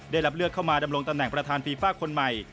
ได้รับเลือกเข้ามาดำรงตำแหน่งประธานฟีฟ่าคนใหม่